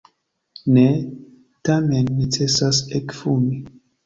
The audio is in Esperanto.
Ne, tamen necesas ekfumi.